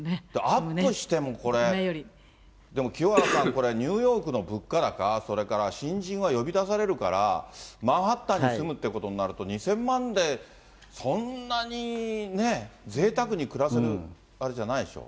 アップしてもこれ、でも清原さん、ニューヨークの物価高、それから新人は呼び出されるから、マンハッタンに住むということになると、２０００万で、そんなにね、ぜいたくに暮らせるあれじゃないでしょ。